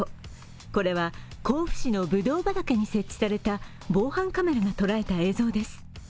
これは甲府市のブドウ畑に設置された防犯カメラがとらえた映像です。